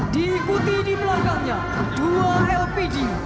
diikuti di pelanggarnya dua lpg